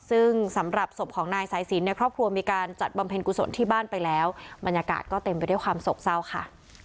ซึ่งสำหรับศพของนายสายสินเนี่ยครอบครัวมีการจัดบำเพ็ญกุศลที่บ้านไปแล้วบรรยากาศก็เต็มไปด้วยความโศกเศร้าค่ะ